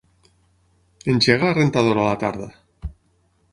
Engega la rentadora a la tarda.